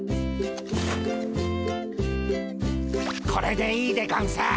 これでいいでゴンス。